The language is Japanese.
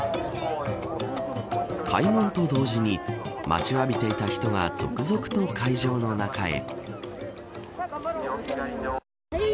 開門と同時に待ちわびていた人が続々と会場の中へ。